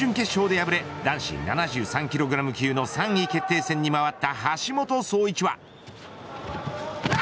一方、準々決勝で敗れ男子７３キログラム級の３位決定戦に回った橋本壮市は。